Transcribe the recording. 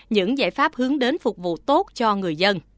những giải pháp hướng đến phục vụ tốt cho người dân